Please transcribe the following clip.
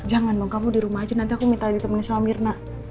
jangan dong kamu di rumah aja nanti aku minta ditemani sama mirna